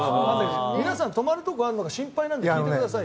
皆さん、泊まるところがあるのか心配なので聞いてくださいよ。